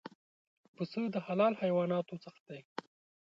پسه د حلال حیواناتو څخه دی.